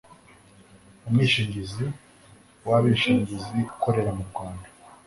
umwishingizi w abishingizi ukorera murwanda